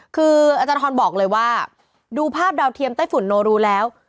คืออาจารย์ทรบอกเลยว่าดูภาพดาวเทียมไต้ฝุ่นโนรูแล้ว